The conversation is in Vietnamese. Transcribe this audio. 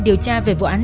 điều tra về vụ án